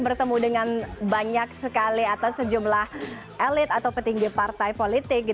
bertemu dengan banyak sekali atau sejumlah elit atau petinggi partai politik